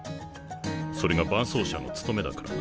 それが伴走者の務めだからな。